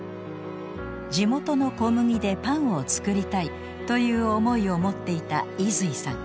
地元の小麦でパンを作りたいという思いを持っていた出井さん。